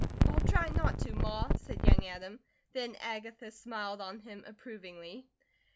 "I'll try not to, Ma," said young Adam; then Agatha smiled on him approvingly.